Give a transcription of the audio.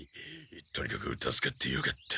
とにかく助かってよかった。